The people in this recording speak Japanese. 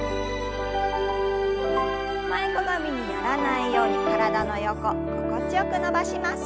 前かがみにならないように体の横心地よく伸ばします。